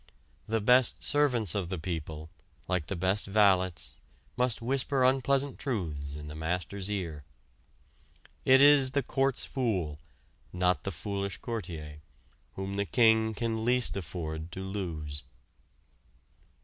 The best servants of the people, like the best valets, must whisper unpleasant truths in the master's ear. It is the court fool, not the foolish courtier, whom the king can least afford to lose.